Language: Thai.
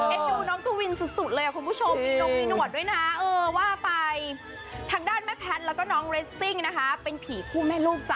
ดูน้องกวินสุดเลยคุณผู้ชมมีนกมีหนวดด้วยนะเออว่าไปทางด้านแม่แพทย์แล้วก็น้องเรสซิ่งนะคะเป็นผีคู่แม่ลูกจ้